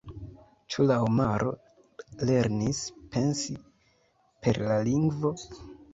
Ĉu la homaro lernis pensi per la lingvo?